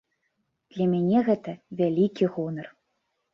Для мяне гэта вялікі гонар.